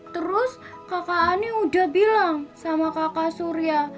terus kakak ani udah bilang sama kakak surya